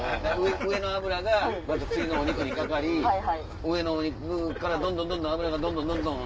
上の脂がこうやって次のお肉にかかり上のお肉からどんどん脂がどんどんどんどん。